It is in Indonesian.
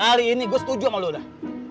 kali ini gue setuju sama lo dah